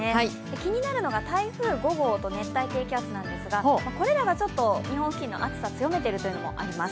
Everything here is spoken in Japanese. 気になるのが台風５号と熱帯低気圧なんですけどこれらが日本付近の暑さを強めているというのもあります。